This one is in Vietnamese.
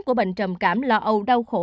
của bệnh trầm cảm lo âu đau khổ